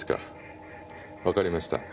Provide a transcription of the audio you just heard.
わかりました。